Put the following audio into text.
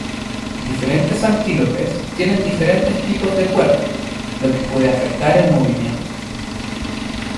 Diferentes antílopes tienen diferentes tipos de cuerpo, lo que puede afectar al movimiento.